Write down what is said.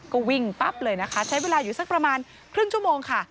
ก็วิ่งปั๊บเลยนะคะใช้เวลาอยู่สักประมาณครึ่งชั่วโมงค่ะ